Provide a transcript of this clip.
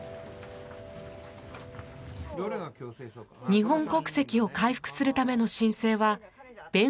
日本国籍を回復するための申請は弁護士が行います。